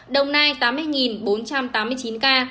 đồng nai tám mươi bốn trăm tám mươi chín ca